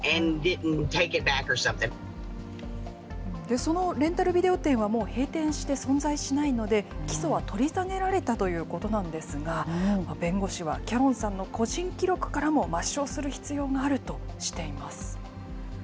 そのレンタルビデオ店はもう閉店して存在しないので、起訴は取り下げられたということなんですが、弁護士はキャロンさんの個人記録からも抹消する必要があるとしています。